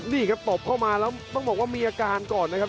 นี่ครับตบเข้ามาแล้วต้องบอกว่ามีอาการก่อนนะครับ